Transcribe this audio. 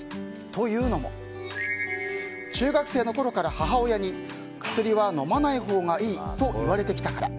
というのも中学生のころから母親に薬は飲まないほうがいいと言われてきたから。